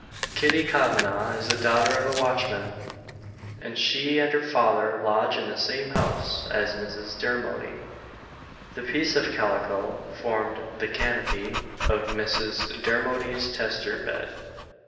Kitty Kavanagh is the daughter of a watchman; and she and her father lodge in the same house as Mrs. Dermody. The piece of calico formed "the canopy" of Mrs. Dermody's tester bed.